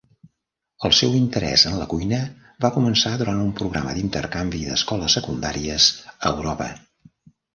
El seu interès en la cuina va començar durant un programa d'intercanvi d'escoles secundàries a Europa.